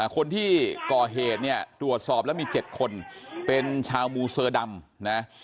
คนที่ก่อเหตุเนี่ยตรวจสอบแล้วมี๗คนเป็นชาวมูเซอร์ดำนะ